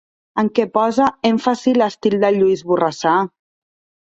En què posa èmfasi l'estil de Lluís Borrassà?